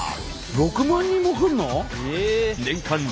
６万人も来るの？